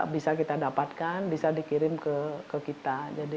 bisa kita dapatkan bisa dikirim ke kita